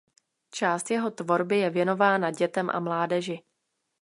Část jeho tvorby je věnována dětem a mládeži.